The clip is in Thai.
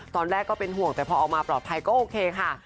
ก็เป็นห่วงแต่พอออกมาปลอดภัยก็โอเคค่ะ